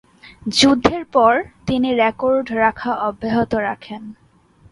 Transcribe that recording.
যুদ্ধের পর, তিনি রেকর্ড রাখা অব্যাহত রাখেন।